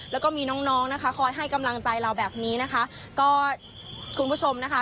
แล้วก็มีน้องน้องนะคะคอยให้กำลังใจเราแบบนี้นะคะก็คุณผู้ชมนะคะ